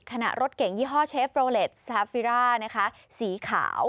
ขณะรถเก่งยี่ห้อเชฟโลเลสซาฟิร่าสีขาว